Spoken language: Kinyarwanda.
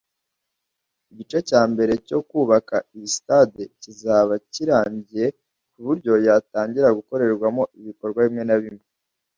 igice cya mbere cyo kubaka iyi sitade kizaba kirangiye ku buryo yatangira gukorerwamo ibikorwa bimwe na bimwe